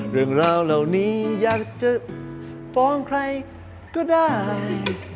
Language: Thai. เรื่องราวเหล่านี้อยากจะฟ้องใครก็ได้